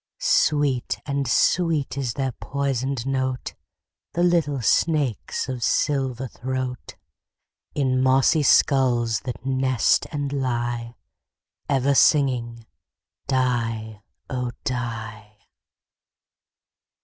Sweet and sweet is their poisoned note, The little snakes' of silver throat, In mossy skulls that nest and lie, Ever singing "die, oh! die."